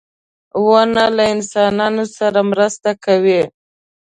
• ونه له انسانانو سره مرسته کوي.